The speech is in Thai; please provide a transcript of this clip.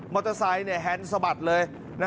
เตอร์ไซค์แฮนด์สะบัดเลย